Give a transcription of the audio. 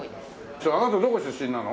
ちょっとあなたどこ出身なの？